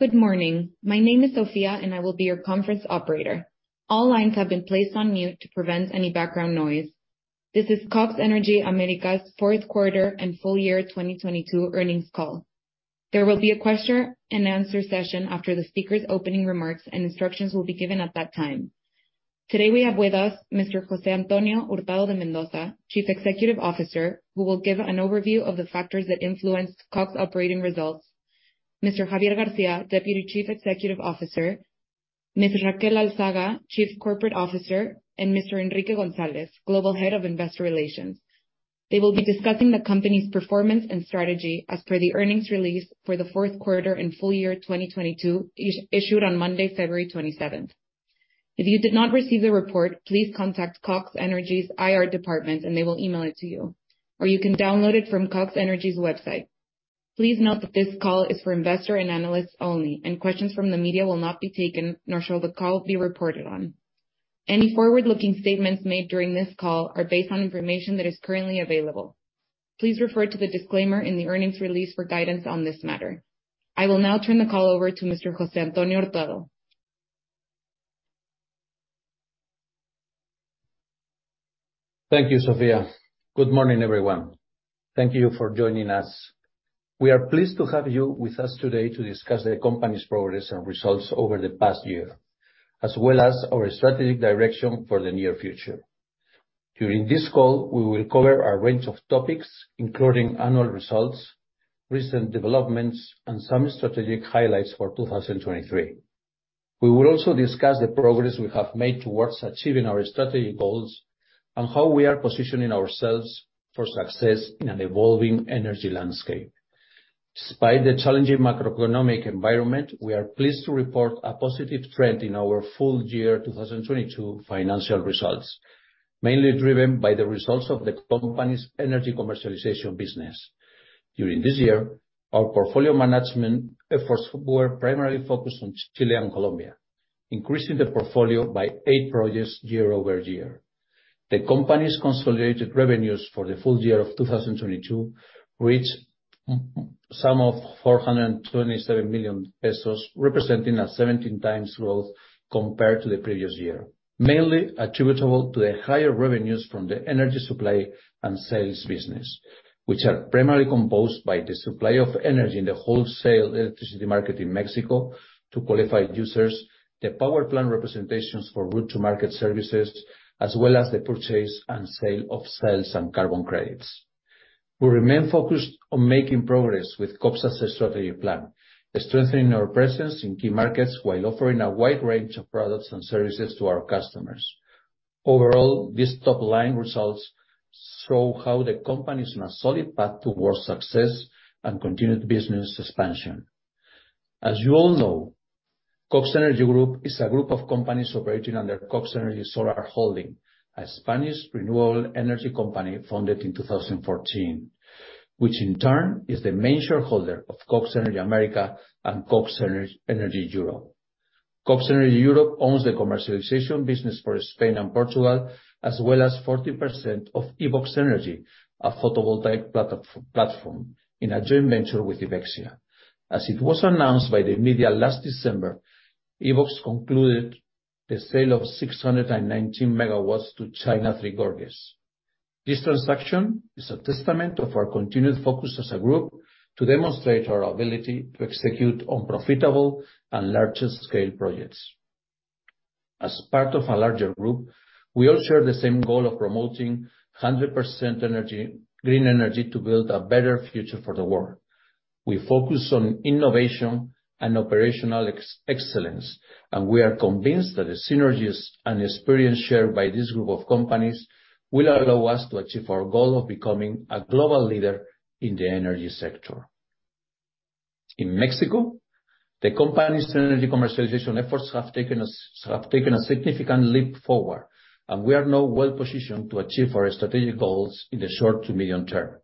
Good morning. My name is Sophia, and I will be your conference operator. All lines have been placed on mute to prevent any background noise. This is Cox Energy América's fourth quarter and full year 2022 earnings call. There will be a question and answer session after the speaker's opening remarks. Instructions will be given at that time. Today, we have with us Mr. José Antonio Hurtado de Mendoza, Chief Executive Officer, who will give an overview of the factors that influenced Cox operating results. Mr. Javier García, Deputy Chief Executive Officer, Ms. Raquel Alzaga, Chief Corporate Officer, and Mr. Enrique González, Global Head of Investor Relations. They will be discussing the company's performance and strategy as per the earnings release for the fourth quarter and full year 2022, issued on Monday, February 27th. If you did not receive the report, please contact Cox Energy's IR department and they will email it to you, or you can download it from Cox Energy's website. Please note that this call is for investor and analysts only. Questions from the media will not be taken, nor shall the call be reported on. Any forward-looking statements made during this call are based on information that is currently available. Please refer to the disclaimer in the earnings release for guidance on this matter. I will now turn the call over to Mr. José Antonio Hurtado. Thank you, Sophia. Good morning, everyone. Thank you for joining us. We are pleased to have you with us today to discuss the company's progress and results over the past year, as well as our strategic direction for the near future. During this call, we will cover a range of topics, including annual results, recent developments, and some strategic highlights for 2023. We will also discuss the progress we have made towards achieving our strategic goals and how we are positioning ourselves for success in an evolving energy landscape. Despite the challenging macroeconomic environment, we are pleased to report a positive trend in our full year 2022 financial results, mainly driven by the results of the company's energy commercialization business. During this year, our portfolio management efforts were primarily focused on Chile and Colombia, increasing the portfolio by eight projects year-over-year. The company's consolidated revenues for the full year of 2022 reached a sum of 427 million pesos, representing a 17x growth compared to the previous year, mainly attributable to the higher revenues from the energy supply and sales business, which are primarily composed by the supply of energy in the wholesale electricity market in Mexico to qualified users, the power plant representations for route to market services, as well as the purchase and sale of cells and carbon credits. We remain focused on making progress with Cox's strategy plan, strengthening our presence in key markets while offering a wide range of products and services to our customers. Overall, these top-line results show how the company is on a solid path towards success and continued business expansion. As you all know, Cox Energy Group is a group of companies operating under Cox Energy Solar Holding, a Spanish renewable energy company founded in 2014, which in turn is the main shareholder of Cox Energy América and Cox Energy Europe. Cox Energy Europe owns the commercialization business for Spain and Portugal, as well as 40% of Evox Energy, a photovoltaic platform in a joint venture with Ivexia. As it was announced by the media last December, Evox concluded the sale of 619 megawatts to China Three Gorges. This transaction is a testament of our continued focus as a group to demonstrate our ability to execute on profitable and larger scale projects. As part of a larger group, we all share the same goal of promoting 100% energy, green energy to build a better future for the world. We focus on innovation and operational excellence, and we are convinced that the synergies and experience shared by this group of companies will allow us to achieve our goal of becoming a global leader in the energy sector. In Mexico, the company's energy commercialization efforts have taken a significant leap forward, and we are now well-positioned to achieve our strategic goals in the short to medium term.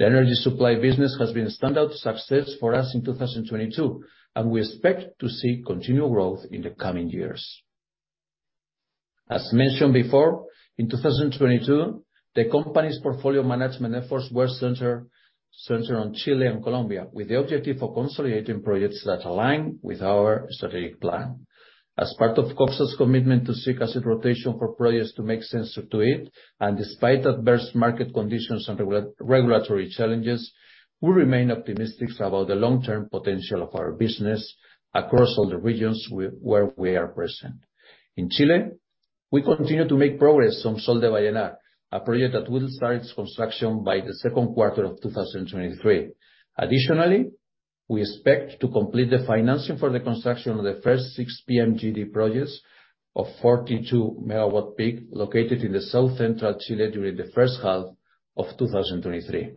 The energy supply business has been a standout success for us in 2022, and we expect to see continued growth in the coming years. As mentioned before, in 2022, the company's portfolio management efforts were centered on Chile and Colombia, with the objective of consolidating projects that align with our strategic plan. As part of Cox's commitment to seek asset rotation for projects to make sense to it, despite adverse market conditions and regulatory challenges, we remain optimistic about the long-term potential of our business across all the regions where we are present. In Chile, we continue to make progress on Sol de Vallenar, a project that will start its construction by the second quarter of 2023. Additionally, we expect to complete the financing for the construction of the first six PMGD projects of 42 megawatt peak, located in the South Central Chile during the first half of 2023.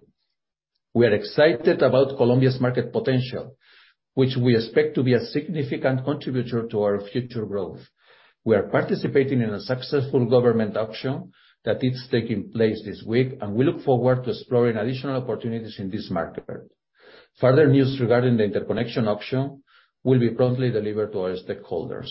We are excited about Colombia's market potential, which we expect to be a significant contributor to our future growth. We are participating in a successful government auction that is taking place this week, and we look forward to exploring additional opportunities in this market. Further news regarding the interconnection auction will be promptly delivered to our stakeholders.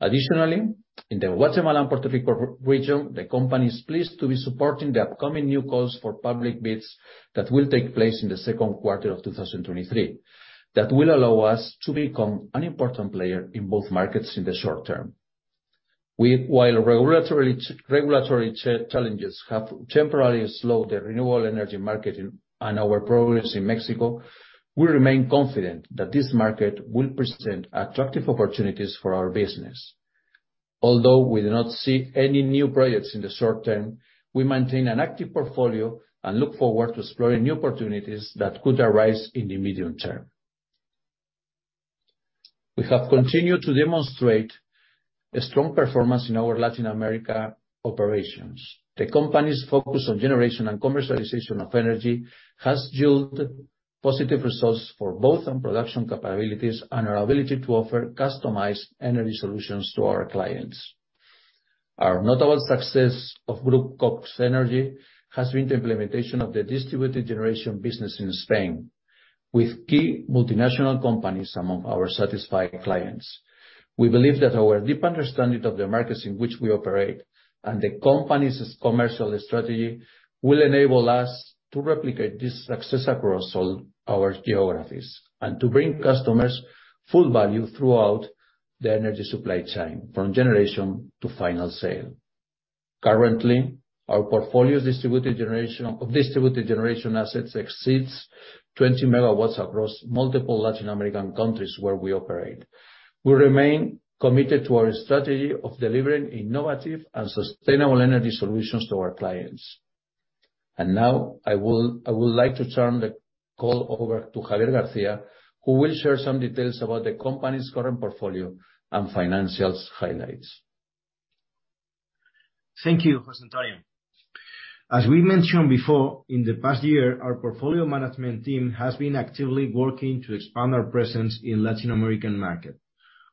Additionally, in the Guatemala and Puerto Rico region, the company is pleased to be supporting the upcoming new calls for public bids that will take place in the second quarter of 2023. That will allow us to become an important player in both markets in the short term. While regulatory challenges have temporarily slowed the renewable energy market and our progress in Mexico, we remain confident that this market will present attractive opportunities for our business. Although we do not see any new projects in the short term, we maintain an active portfolio and look forward to exploring new opportunities that could arise in the medium term. We have continued to demonstrate a strong performance in our Latin America operations. The company's focus on generation and commercialization of energy has yielded positive results for both our production capabilities and our ability to offer customized energy solutions to our clients. Our notable success of Group Cox Energy has been the implementation of the distributed generation business in Spain, with key multinational companies among our satisfied clients. We believe that our deep understanding of the markets in which we operate and the company's commercial strategy will enable us to replicate this success across all our geographies and to bring customers full value throughout the energy supply chain, from generation to final sale. Currently, our portfolio's distributed generation of distributed generation assets exceeds 20 megawatts across multiple Latin American countries where we operate. We remain committed to our strategy of delivering innovative and sustainable energy solutions to our clients. Now I would like to turn the call over to Javier García, who will share some details about the company's current portfolio and financials highlights. Thank you, Jose Antonio. As we mentioned before, in the past year, our portfolio management team has been actively working to expand our presence in Latin American market.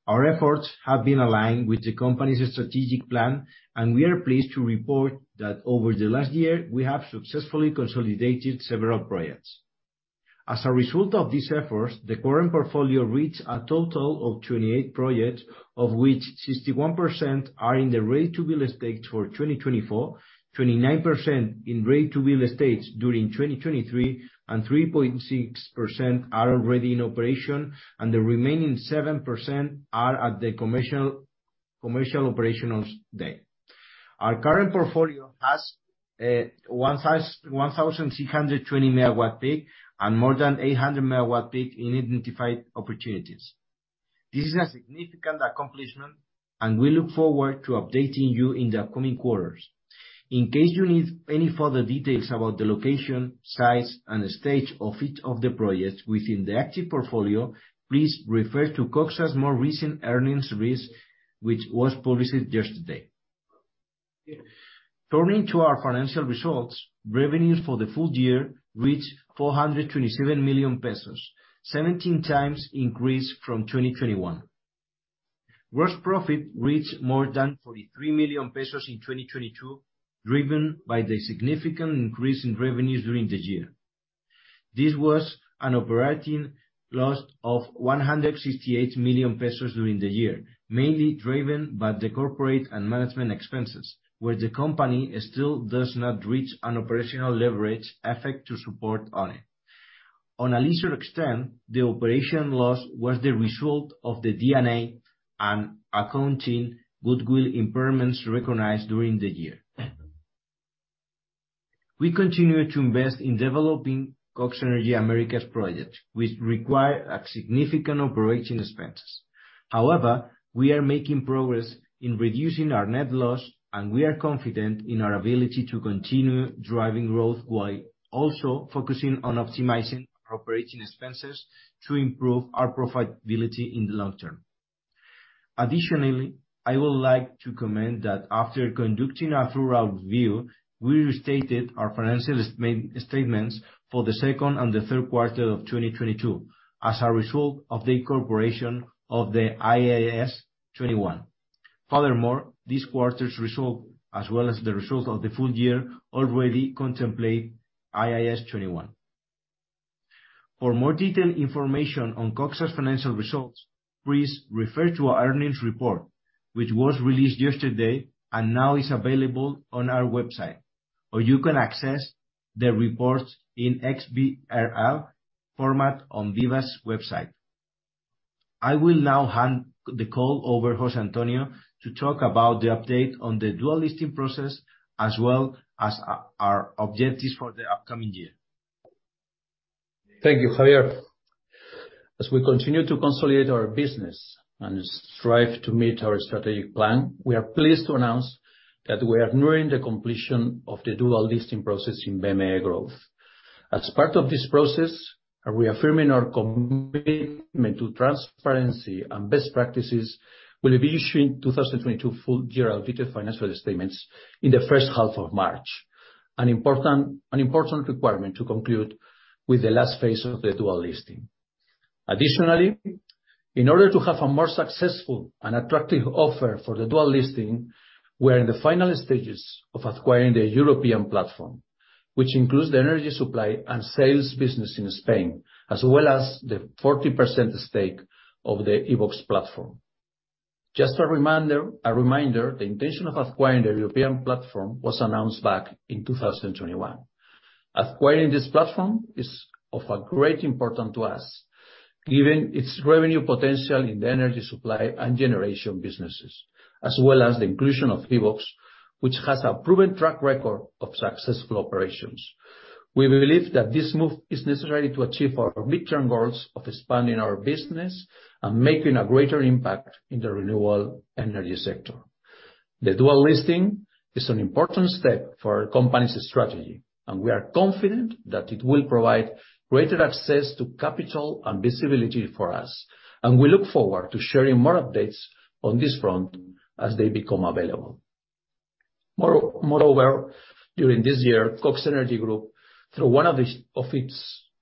Our efforts have been aligned with the company's strategic plan. We are pleased to report that over the last year, we have successfully consolidated several projects. As a result of these efforts, the current portfolio reached a total of 28 projects, of which 61% are in the ready-to-build stage for 2024, 29% in ready-to-build stage during 2023, 3.6% are already in operation, and the remaining 7% are at the commercial operations date. Our current portfolio has 1,320 megawatt peak and more than 800 megawatt peak in identified opportunities. This is a significant accomplishment. We look forward to updating you in the upcoming quarters. In case you need any further details about the location, size, and stage of each of the projects within the active portfolio, please refer to Cox's more recent earnings release, which was published yesterday. Turning to our financial results, revenues for the full year reached 427 million pesos, 17 times increase from 2021. Gross profit reached more than 43 million pesos in 2022, driven by the significant increase in revenues during the year. This was an operating loss of 168 million pesos during the year, mainly driven by the corporate and management expenses, where the company still does not reach an operational leverage effect to support on it. On a lesser extent, the operation loss was the result of the D&A and accounting goodwill impairments recognized during the year. We continue to invest in developing Cox Energy América projects, which require significant OpEx. However, we are making progress in reducing our net loss, and we are confident in our ability to continue driving growth while also focusing on optimizing our OpEx to improve our profitability in the long term. Additionally, I would like to comment that after conducting a thorough review, we restated our financial statements for the second and the third quarter of 2022 as a result of the incorporation of the IAS 21. Furthermore, this quarter's result, as well as the results of the full year, already contemplate IAS 21. For more detailed information on Cox's financial results, please refer to our earnings report, which was released yesterday and now is available on our website. You can access the reports in XBRL format on BIVA's website. I will now hand the call over to José Antonio to talk about the update on the dual listing process, as well as our objectives for the upcoming year. Thank you, Javier. As we continue to consolidate our business and strive to meet our strategic plan, we are pleased to announce that we are nearing the completion of the dual listing process in BME Growth. As part of this process, we are affirming our commitment to transparency and best practices. We'll be issuing 2022 full year audited financial statements in the first half of March, an important requirement to conclude with the last phase of the dual listing. Additionally, in order to have a more successful and attractive offer for the dual listing, we're in the final stages of acquiring the European platform, which includes the energy supply and sales business in Spain, as well as the 40% stake of the Evox platform. Just a reminder, the intention of acquiring the European platform was announced back in 2021. Acquiring this platform is of a great importance to us, given its revenue potential in the energy supply and generation businesses, as well as the inclusion of Evox, which has a proven track record of successful operations. We believe that this move is necessary to achieve our midterm goals of expanding our business and making a greater impact in the renewable energy sector. The dual listing is an important step for our company's strategy. We are confident that it will provide greater access to capital and visibility for us. We look forward to sharing more updates on this front as they become available. Moreover, during this year, Cox Energy Group, through one of its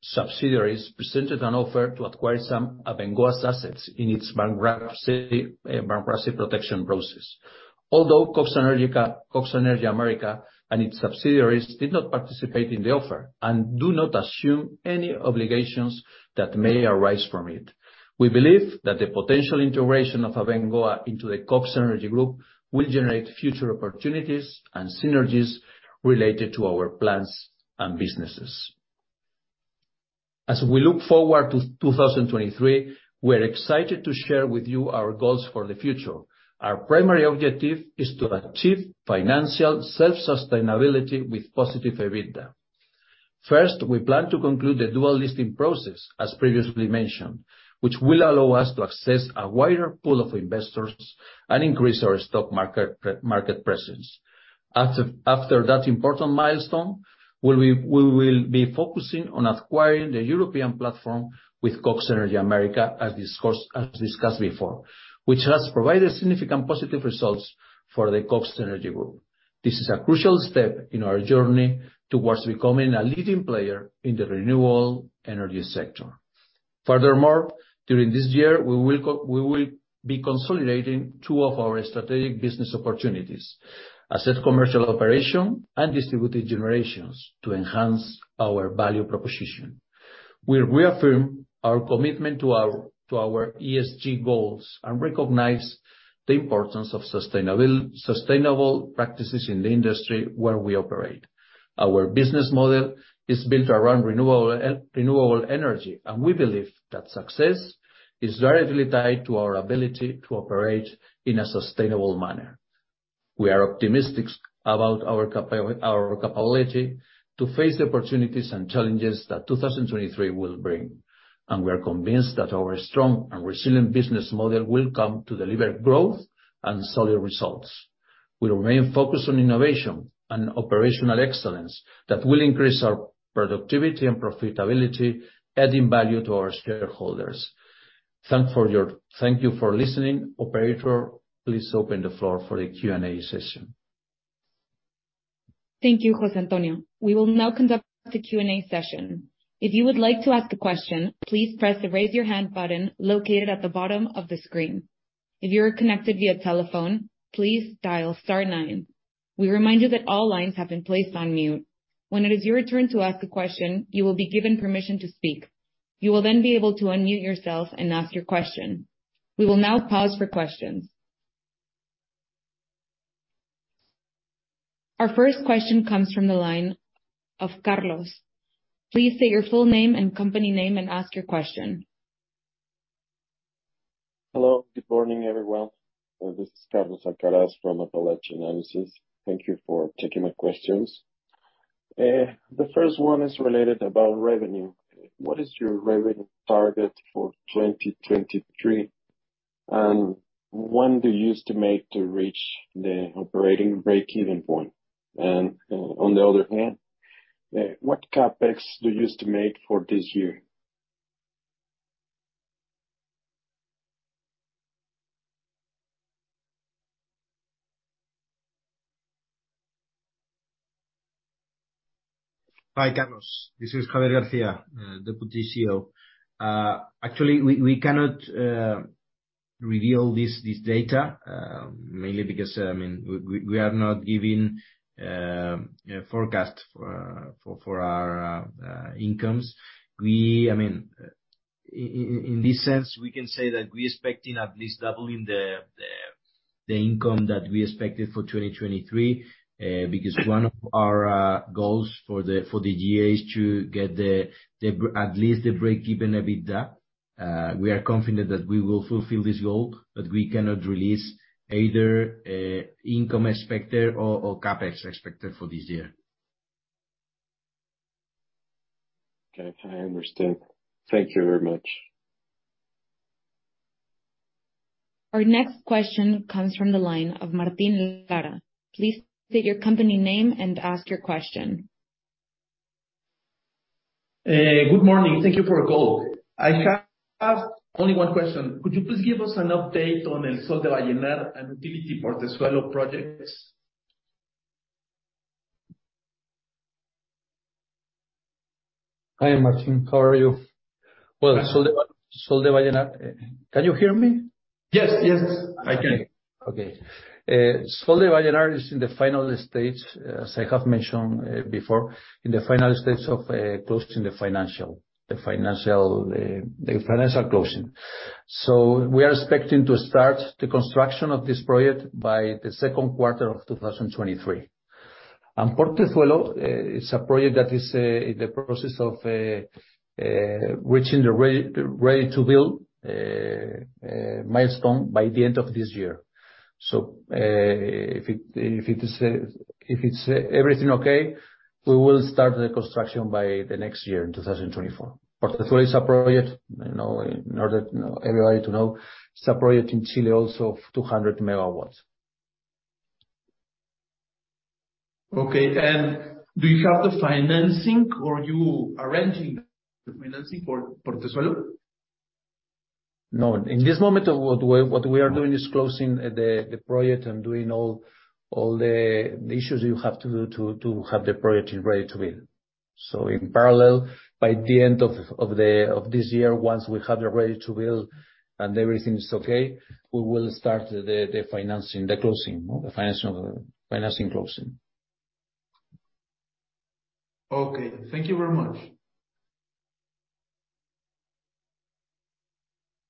subsidiaries, presented an offer to acquire some of Abengoa's assets in its bankruptcy protection process. Although Cox Energy América and its subsidiaries did not participate in the offer and do not assume any obligations that may arise from it, we believe that the potential integration of Abengoa into the Cox Energy Group will generate future opportunities and synergies related to our plans and businesses. As we look forward to 2023, we're excited to share with you our goals for the future. Our primary objective is to achieve financial self-sustainability with positive EBITDA. First, we plan to conclude the dual listing process, as previously mentioned, which will allow us to access a wider pool of investors and increase our stock market pre-market presence. After that important milestone, we will be focusing on acquiring the European platform with Cox Energy América, as discussed before, which has provided significant positive results for the Cox Energy Group. This is a crucial step in our journey towards becoming a leading player in the renewable energy sector. Furthermore, during this year we will be consolidating two of our strategic business opportunities, asset commercial operation and distributed generation, to enhance our value proposition. We reaffirm our commitment to our ESG goals and recognize the importance of sustainable practices in the industry where we operate. Our business model is built around renewable energy, and we believe that success is directly tied to our ability to operate in a sustainable manner. We are optimistic about our capability to face the opportunities and challenges that 2023 will bring, and we are convinced that our strong and resilient business model will come to deliver growth and solid results. We remain focused on innovation and operational excellence that will increase our productivity and profitability, adding value to our shareholders. Thank you for listening. Operator, please open the floor for the Q&A session. Thank you, José Antonio. We will now conduct the Q&A session. If you would like to ask a question, please press the Raise Your Hand button located at the bottom of the screen. If you are connected via telephone, please dial star 9. We remind you that all lines have been placed on mute. When it is your turn to ask a question, you will be given permission to speak. You will then be able to unmute yourself and ask your question. We will now pause for questions. Our first question comes from the line of Carlos. Please state your full name and company name and ask your question. Hello. Good morning, everyone. This is Carlos Alcaraz from Apalache Análisis. Thank you for taking my questions. The first one is related about revenue. What is your revenue target for 2023, and when do you estimate to reach the operating break-even point? On the other hand, what CapEx do you estimate for this year? Hi, Carlos, this is Javier García, Deputy CEO. Actually, we cannot reveal this data, mainly because, I mean, we are not giving forecast for our incomes. I mean, in this sense, we can say that we expecting at least doubling the income that we expected for 2023, because one of our goals for the year is to get the at least the break-even EBITDA. We are confident that we will fulfill this goal, but we cannot release either income expected or CapEx expected for this year. Okay, I understand. Thank you very much. Our next question comes from the line of Martín Lara. Please state your company name and ask your question. Good morning. Thank you for the call. I have only one question. Could you please give us an update on El Sol de Vallenar and utility part development projects? Hi, Martín. How are you? Well, Sol de Vallenar. Can you hear me? Yes, yes, I can. Okay. Sol de Vallenar is in the final stage, as I have mentioned before, in the final stages of closing the financial closing. We are expecting to start the construction of this project by 2Q 2023. Portezuelo is a project that is in the process of reaching the ready-to-build milestone by the end of this year. If's everything okay, we will start the construction by the next year, in 2024. Portezuelo is a project, you know, in order everybody to know, it's a project in Chile also of 200 megawatts. Okay. Do you have the financing or you are arranging the financing for Portezuelo? No. In this moment what we are doing is closing the project and doing all the issues you have to do to have the project ready-to-build. In parallel, by the end of this year, once we have it ready-to-build and everything is okay, we will start the financing closing. Okay. Thank you very much.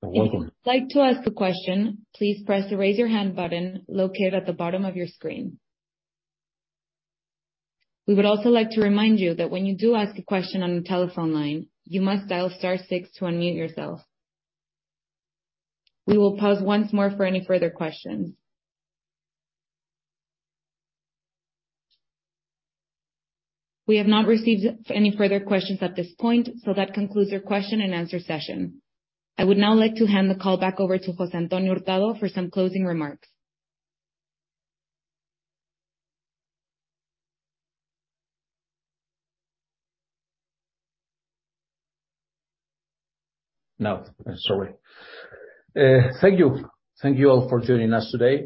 You're welcome. If you'd like to ask a question, please press the Raise Your Hand button located at the bottom of your screen. We would also like to remind you that when you do ask a question on the telephone line, you must dial star six to unmute yourself. We will pause once more for any further questions. We have not received any further questions at this point, so that concludes your question and answer session. I would now like to hand the call back over to José Antonio Hurtado for some closing remarks. No, sorry. Thank you. Thank you all for joining us today.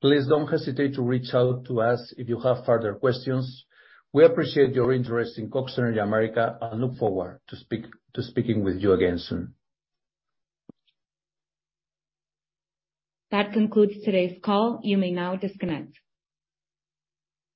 Please don't hesitate to reach out to us if you have further questions. We appreciate your interest in Cox Energy América and look forward to speaking with you again soon. That concludes today's call. You may now disconnect.